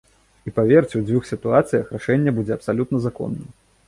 І паверце, у дзвюх сітуацыях рашэнне будзе абсалютна законным.